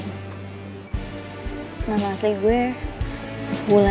nama itu apa